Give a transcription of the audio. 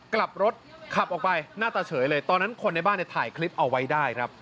กลับรถขับออกไปหน้าตาเฉยเลยตอนนั้นคนในบ้านเนี่ยถ่ายคลิปเอาไว้ได้ครับ